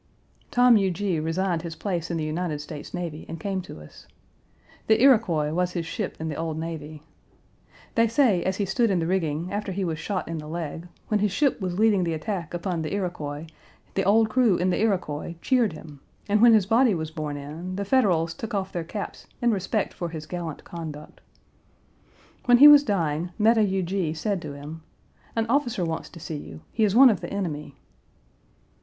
Tom Huger resigned his place in the United States Navy and came to us. The Iroquois was his ship in the old navy. They say, as he stood in the rigging, after he was shot in the leg, when his ship was leading the attack upon the Iroquois, his old crew in the Iroquois cheered him, and when his body was borne in, the Federals took off their caps in respect for his gallant conduct. When he was dying, Meta Huger said to him: "An of officer wants to see you: he is one of the enemy."